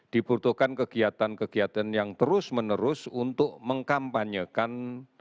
dibutuhkan kegiatan kegiatan yang terus menerus untuk mengkampanyekan